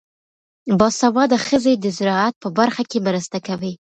باسواده ښځې د زراعت په برخه کې مرسته کوي.